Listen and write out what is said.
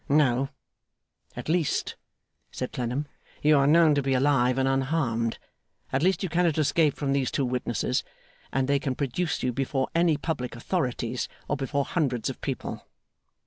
'No! At least,' said Clennam, 'you are known to be alive and unharmed. At least you cannot escape from these two witnesses; and they can produce you before any public authorities, or before hundreds of people!